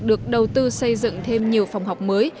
được đầu tư xây dựng thêm nhiều phòng học mới